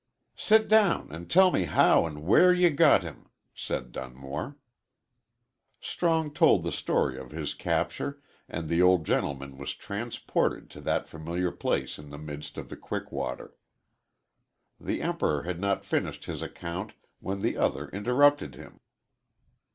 "Sit down and tell me how and where you got him," said Dunmore. Strong told the story of his capture, and the old gentleman was transported to that familiar place in the midst of the quick water. The Emperor had not finished his account when the other interrupted him.